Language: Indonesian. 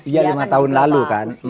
iya lima tahun lalu kan